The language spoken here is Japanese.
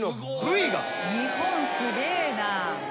日本すげえな。